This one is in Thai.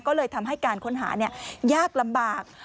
ก็เลยทำให้การค้นหายากลำบาก